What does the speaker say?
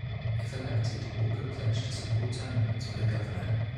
If elected Walker pledge to support term limits for the Governor.